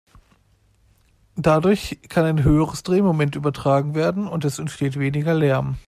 Dadurch kann ein höheres Drehmoment übertragen werden und es entsteht weniger Lärm.